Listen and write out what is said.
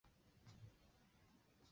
墨翟着书号墨子。